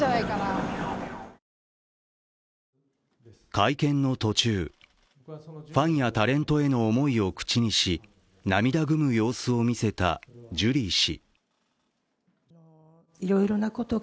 会見の途中、ファンやタレントへの思いを口にし、涙ぐむ様子を見せたジュリー氏。